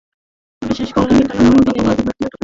তবে শেষ করার আগে টানা কয়েক দিন নিকেতনে চলবে দৃশ্য ধারণের কাজ।